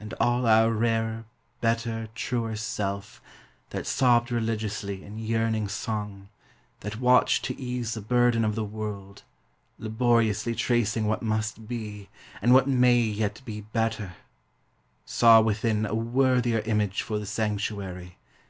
And all our rarer, better, truer self. That sobbed religiously in yearning song. That watched to ease the burden of the world, Laboriously tracing what must be. And what may yet be better, — saw within A worthier image for the sanctuary.